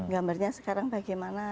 gambarnya sekarang bagaimana